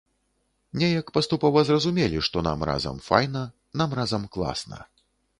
Неяк паступова зразумелі, што нам разам файна, нам разам класна.